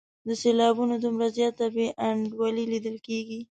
د سېلابونو دومره زیاته بې انډولي لیدل کیږي.